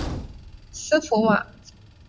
斯普瓦。